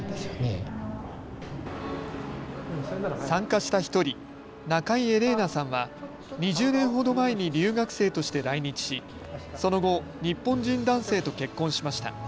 参加した１人、中井エレーナさんは２０年ほど前に留学生として来日しその後、日本人男性と結婚しました。